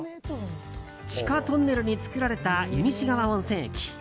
地下トンネルに作られた湯西川温泉駅。